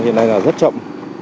hiện nay là rất chậm